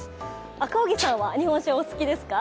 赤荻さんは日本酒、お好きですか。